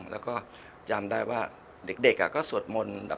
แล้วก็จำได้ว่าเด็กก็สวดมนต์แบบ